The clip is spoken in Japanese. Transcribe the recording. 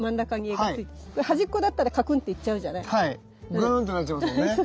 グーンってなっちゃいますもんね。